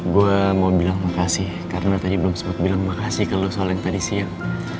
gua mau bilang makasih karena tadi belum sempet bilang makasih ke lu soal yang tadi siang